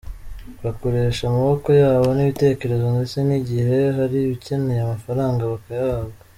Bakoresha amaboko yabo n’ibitekerezo ndetse n’igihe hari ibikeneye amafaranga bakayahabwa.